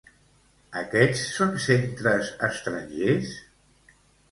Aquests són centres estrangers?